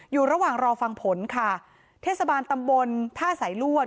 อยู่ระหว่างรอฟังผลค่ะเทศบาลตำบลท่าสายลวด